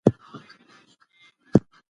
د ده هڅې د ستایلو وړ دي.